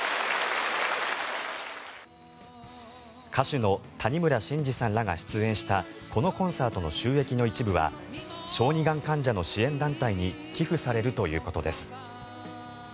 歌手の谷村新司さんらが出演したこのコンサートの収益の一部は小児がん患者の支援団体に寄付されるということです。